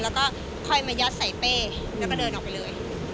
แล้วก็ค่อยมายัดใส่เป้แล้วก็เดินออกไปเลย